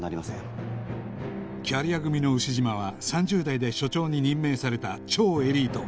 キャリア組の牛島は３０代で署長に任命された超エリート